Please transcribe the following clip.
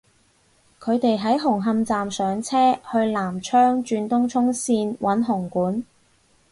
佢哋喺紅磡站上車去南昌轉東涌綫搵紅館